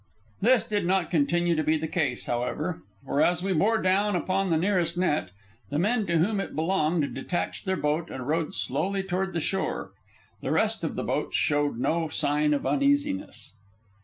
This did not continue to be the case, however, for as we bore down upon the nearest net, the men to whom it belonged detached their boat and rowed slowly toward the shore. The rest of the boats showed no sign of uneasiness.